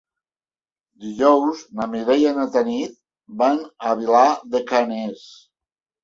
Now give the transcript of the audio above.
Dijous na Mireia i na Tanit van a Vilar de Canes.